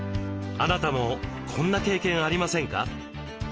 あなたもこんな経験ありませんか？